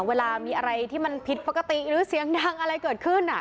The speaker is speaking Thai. เวลามีอะไรที่มันผิดปกติหรือเสียงดังอะไรเกิดขึ้น